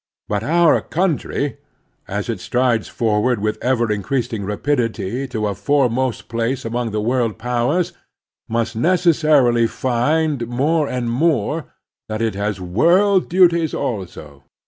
But our country, as it strides forward with ever increasing rapidity to a foremost place among the world powers, must necessarily find, more and more, that it has world duties also.